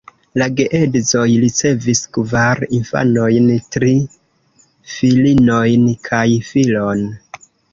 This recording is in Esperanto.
La geedzoj ricevis kvar infanojn: tri filinojn kaj filon.